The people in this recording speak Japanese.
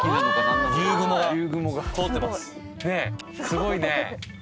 すごいね。